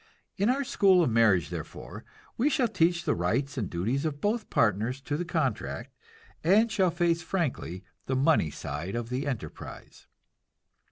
In our school of marriage therefore we shall teach the rights and duties of both partners to the contract, and shall face frankly the money side of the enterprise.